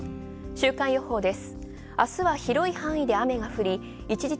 週間予報です。